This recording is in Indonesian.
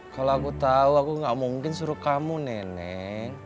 kalau aku tau aku gak mungkin suruh kamu neneng